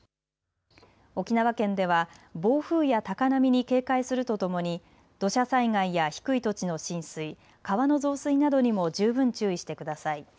沖縄県では暴風や高波に警戒するとともに土砂災害や低い土地の浸水、川の増水などにも十分注意してください。